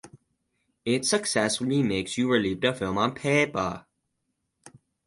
It successfully makes you relive the film on paper.